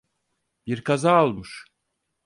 Bir kaza olmuş.